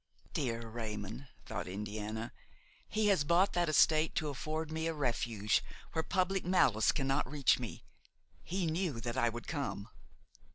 "Dear Raymon!" thought Indiana, "he has bought that estate to afford me a refuge where public malice cannot reach me. He knew that I would come!"